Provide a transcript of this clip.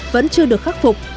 vẫn chưa được khắc phục